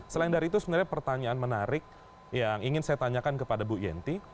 selain dari itu sebenarnya pertanyaan menarik yang ingin saya tanyakan kepada bu yenti